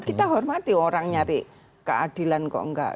kita hormati orang nyari keadilan kok enggak